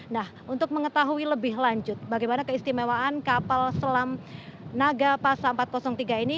nah untuk mengetahui lebih lanjut bagaimana keistimewaan kapal selam nagapasa empat ratus tiga ini